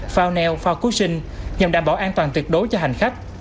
phao neo phao cushion nhằm đảm bảo an toàn tuyệt đối cho hành khách